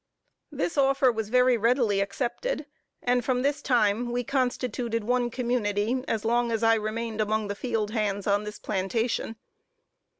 This offer was very readily accepted, and from this time we constituted one community, as long as I remained among the field hands on this plantation.